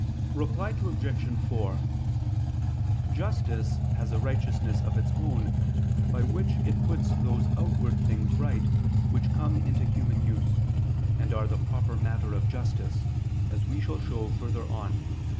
Reply Obj. 4: Justice has a righteousness of its own by which it puts those outward things right which come into human use, and are the proper matter of justice, as we shall show further on (Q.